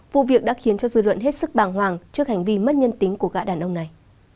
vụ việc đã khiến cho dư luận hết sức bàng hoàng trước hành vi mất nhân tính của gã đàn ông này